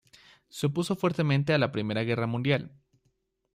Se opuso fuertemente a la Primera Guerra Mundial.